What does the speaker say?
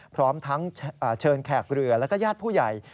พร้อมทั้งเชิญแขกเรือแล้วก็ญาติผู้ใหญ่